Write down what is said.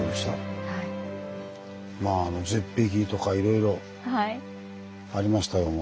まあ絶壁とかいろいろありましたけども。